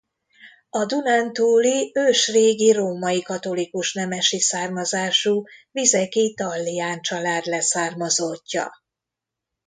A dunántúli ősrégi római katolikus nemesi származású vizeki Tallián család leszármazottja.